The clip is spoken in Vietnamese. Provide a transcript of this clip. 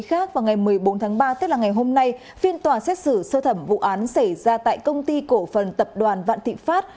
vào ngày một mươi bốn tháng ba tức là ngày hôm nay phiên tòa xét xử sơ thẩm vụ án xảy ra tại công ty cổ phần tập đoàn vạn thị pháp